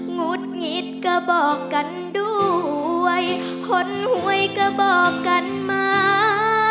หุดหงิดก็บอกกันด้วยคนหวยก็บอกกันมา